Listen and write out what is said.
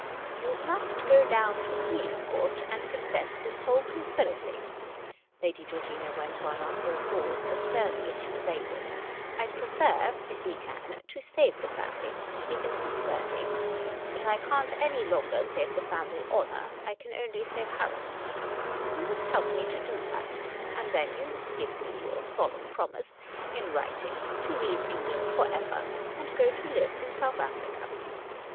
" You must go down to the police court and confess this whole conspiracy," Lady Georgina went on after a pause, as sternly as she was able. " I prefer, if we can, to save the family — even you, Bertie. But I can't any longer save the family honour— I can only save Harold's. You must help me to do that ; and then, you must give me your solemn promise — in writing — to leave England for ever, and go to live in South Africa."